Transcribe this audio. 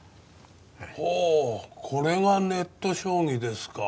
ほうこれがネット将棋ですか。